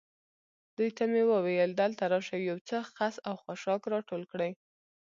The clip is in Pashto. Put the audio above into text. دوی ته مې وویل: دلته راشئ، یو څه خس او خاشاک را ټول کړئ.